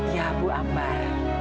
ya bu ambar